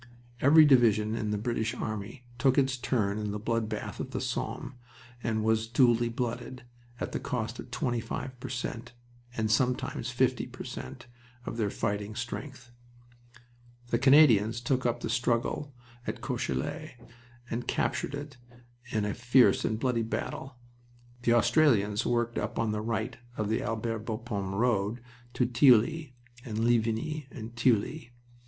Every division in the British army took its turn in the blood bath of the Somme and was duly blooded, at a cost of 25 per cent. and sometimes 50 per cent. of their fighting strength. The Canadians took up the struggle at Courcelette and captured it in a fierce and bloody battle. The Australians worked up on the right of the Albert Bapaume road to Thilloy and Ligny Thilloy.